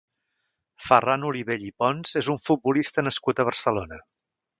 Ferran Olivella i Pons és un futbolista nascut a Barcelona.